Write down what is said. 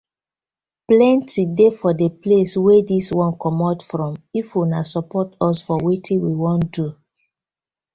Plenty dey for di place wey dis one comot from if una support us for wetin we won do.